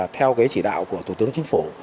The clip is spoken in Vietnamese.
theo chỉ đạo của tổ tướng chính phủ